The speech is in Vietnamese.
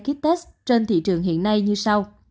kiếp test trên thị trường hiện nay như sau